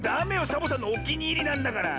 サボさんのおきにいりなんだから。